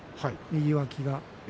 右脇が。